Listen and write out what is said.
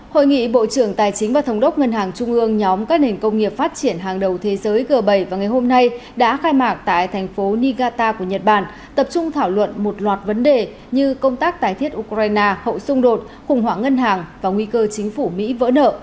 hội nghị bộ trưởng tài chính và thống đốc ngân hàng trung ương nhóm các nền công nghiệp phát triển hàng đầu thế giới g bảy vào ngày hôm nay đã khai mạc tại thành phố nigata của nhật bản tập trung thảo luận một loạt vấn đề như công tác tài thiết ukraine hậu xung đột khủng hoảng ngân hàng và nguy cơ chính phủ mỹ vỡ nợ